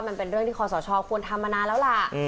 มันเป็นเรื่องที่คอสชควรทำมานานแล้วล่ะ